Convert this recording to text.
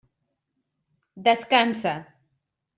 Descansa.